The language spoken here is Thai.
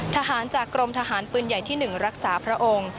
ทหารจากกรมทหารปืนใหญ่ที่๑รักษาพระองค์